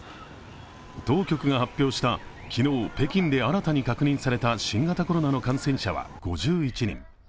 当局が発表した昨日、北京で新たに確認された新型コロナの感染者は５１人。